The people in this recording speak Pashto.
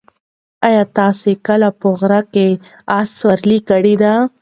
ایا تاسي کله په غره کې د اس سورلۍ کړې؟